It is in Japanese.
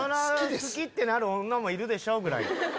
好き！ってなる女もいるでしょ？ぐらいの。